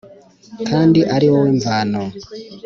kandi ari wowe mvano